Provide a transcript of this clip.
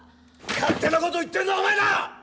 勝手な事を言ってるのはお前だ！